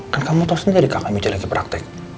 kan kamu tau sendiri kakak michi lagi praktek